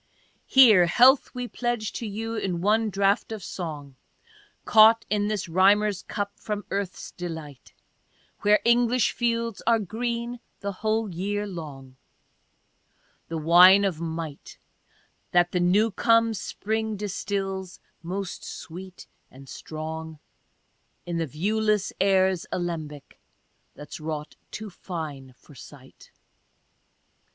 Here health we pledge you in one draught of song, Caught in this rhyms'er's cup from earth's delight, Where English fields are green the whole year long, — The wine of might, That the new come spring distils, most sweet and strong, In the viewless air' 's alembic, thafs wrought too fine for sight.